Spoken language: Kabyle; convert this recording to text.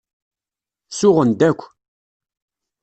Suɣen-d akk.